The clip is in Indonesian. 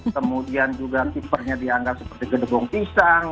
kemudian juga tipernya dianggap seperti gedegong pisang